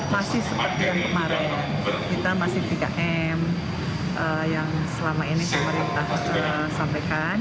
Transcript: masih seperti yang kemarin kita masih tiga m yang selama ini pemerintah sampaikan